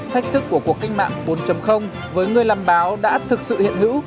thách thức của cuộc cách mạng bốn với người làm báo đã thực sự hiện hữu